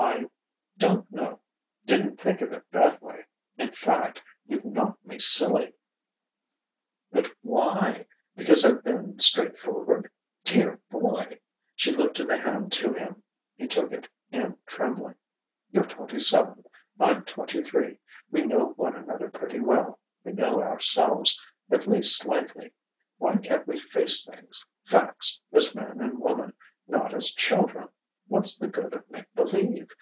"I don't know didn't think of it that way. In fact you've knocked me silly!" "But why? Because I've been straightforward? Dear boy!" she lifted a hand to him: he took it in trembling "you're twenty seven, I'm twenty three. We know one another pretty well: we know ourselves at least slightly. Why can't we face things facts as man and woman, not as children? What's the good of make believe?